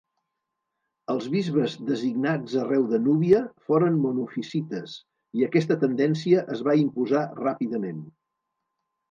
Els bisbes designats arreu de Núbia foren monofisites i aquesta tendència es va imposar ràpidament.